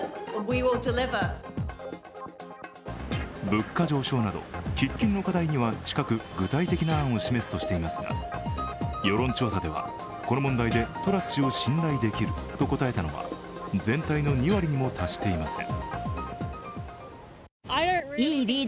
物価上昇など喫緊の課題には近く、具体的な案を示すとしていますが世論調査ではこの問題でトラス氏を信頼できると答えたのは全体の２割にも達していません。